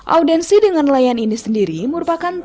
audensi dengan nelayan ini sendiri merupakan